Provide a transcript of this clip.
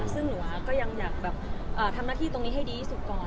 ซึ่งหนูก็ยังอยากทำหน้าที่ตรงนี้ให้ดีที่สุดก่อน